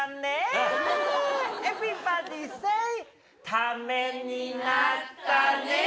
ためになったねぇ。